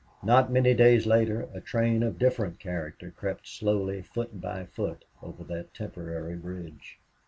Not many days later a train of different character crept slowly foot by foot over that temporary bridge.